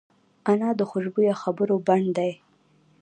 انا د خوشبویه خبرو بڼ دی